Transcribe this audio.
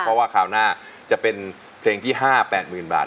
เพราะว่าคราวหน้าจะเป็นเพลงที่ห้าแปดหมื่นบาท